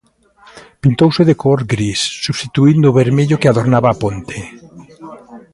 Pintouse de cor gris, substituíndo o vermello que adornaba a ponte.